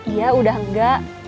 iya udah nggak